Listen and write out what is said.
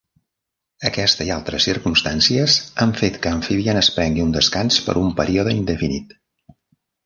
Aquesta i altres circumstàncies han fet que Amfibian es prengui un descans per un període indefinit.